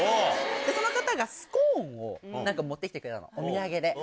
その方がスコーンを持って来てくれたのお土産で。